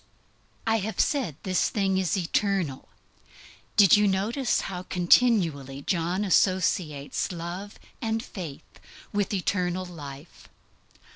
I have said this thing is eternal. Did you ever notice how continually John associates love and faith with eternal life?